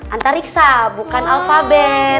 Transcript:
antariksa bukan alfabet